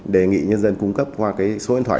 đề nghị nhân dân cung cấp qua cái số điện thoại